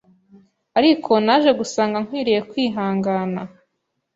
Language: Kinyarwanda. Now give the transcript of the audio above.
ariko naje gusanga nkwiriye kwihangana